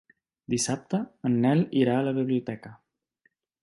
Dissabte en Nel irà a la biblioteca.